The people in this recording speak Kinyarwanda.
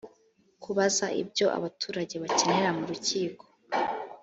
kubaza ibyo abaturage bakenera mu rukiko